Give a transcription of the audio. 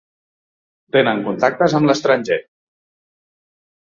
Tenen contactes amb l'estranger.